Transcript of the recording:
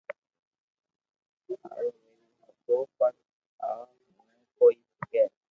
ھارو ويري ھگو پر آ ھوئي ڪوئي سگي